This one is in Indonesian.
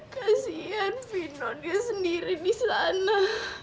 kasian findon dia sendiri di sana